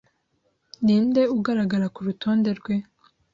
Ninde ugaragara kurutonde rwe